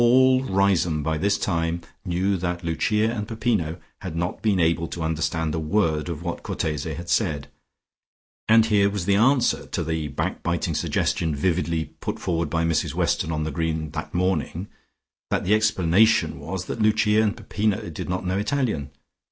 All Riseholme, by this time, knew that Lucia and Peppino had not been able to understand a word of what Cortese had said, and here was the answer to the back biting suggestion, vividly put forward by Mrs Weston on the green that morning, that the explanation was that Lucia and Peppino did not know Italian.